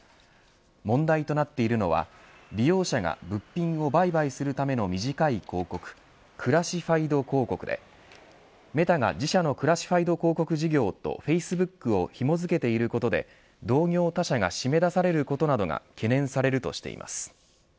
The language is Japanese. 問題となっているのは利用者が物品を売買するための短い広告クラシファイド広告でメタが自社のクラシファイド広告事業とフェイスブックをひも付けていることで同業他社が締め出されることなどが懸念されるとしています。